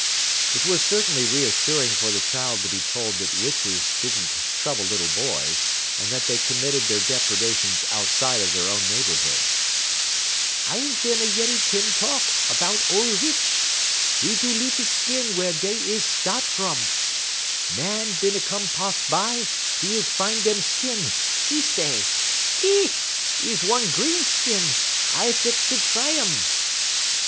It was certainly reassuring for the child to be told that witches did n't trouble little boys, and that they committed their depredations outside of their own neighborhood. "I is bin a yeddy dem talk 'bout ole witch. 'E do leaf 'e skin wey 'e is sta't fum. Man bin a come pars by; 'e is fine dem skin. 'E say: "'Ki! 'E one green skin; I fix fer dry um.'